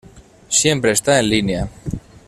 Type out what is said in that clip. Siempre está en línea.